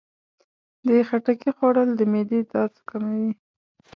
د خټکي خوړل د معدې درد کموي.